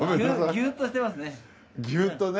ギューっとしてますね。